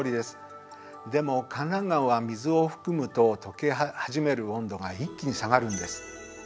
でもかんらん岩は水を含むととけはじめる温度が一気に下がるんです。